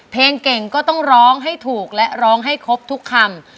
เพลงเก่งก็ต้องร้องให้ถูกและร้องให้ครบทุกคำ